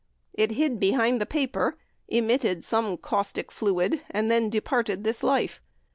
It hid behind the paper, emitted some caustic fluid, and then departed this life.